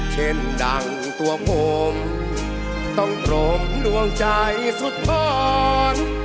เช่นดังตัวผมต้องปรมดวงใจสุดทอน